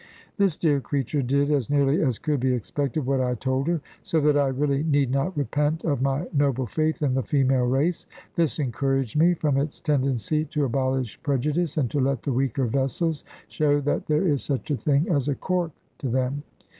This dear creature did (as nearly as could be expected) what I told her; so that I really need not repent of my noble faith in the female race. This encouraged me; from its tendency to abolish prejudice, and to let the weaker vessels show that there is such a thing as a cork to them.